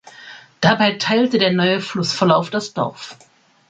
Dabei teilte der neue Flussverlauf das Dorf.